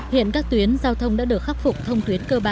hiện các tuyến giao thông đã được khắc phục thông tuyến cơ bản